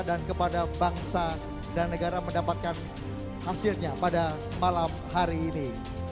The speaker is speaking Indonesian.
dan kepada bangsa dan negara mendapatkan hasilnya pada malam hari ini